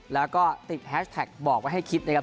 แล้วก็ติดแฮชแท็กบอกไว้ให้คิดนะครับ